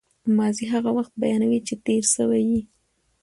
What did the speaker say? ماضي هغه وخت بیانوي، چي تېر سوی يي.